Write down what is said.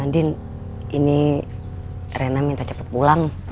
din ini rena minta cepat pulang